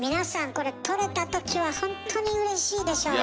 これ撮れた時はほんとにうれしいでしょうね。